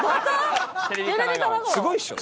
すごいでしょ？